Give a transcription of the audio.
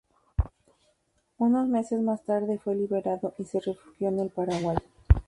Unos meses más tarde fue liberado y se refugió en el Paraguay.